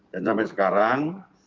dan sampai sekarang